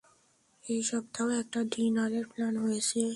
এই সপ্তাহ একটা ডিনারের প্ল্যান হয়েছে।